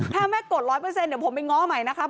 ถ้าแม่กด๑๐๐เดี๋ยวผมไปง้อใหม่นะครับ